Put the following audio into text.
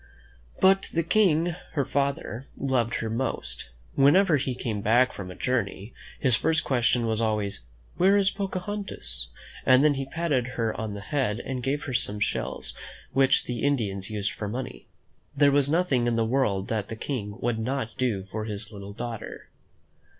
But the King, her father, loved her most. Whenever he came back from a journey, his first question was always, "Where is Pocahontas?" And then he patted her on the head and gave her some shells which the Indians used for money. There was nothing in the world that the King would not do for his little daughter.